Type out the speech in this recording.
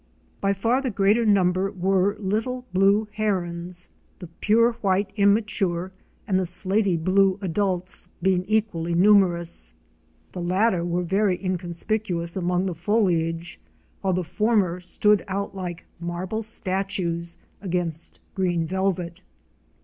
By far the greater number were Little Blue Herons,* the pure white immature and the slaty blue adults being equally numerous. The latter were very inconspicuous among the foliage, while the former stood out like marble statues against green velvet.